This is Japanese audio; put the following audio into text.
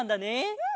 うん！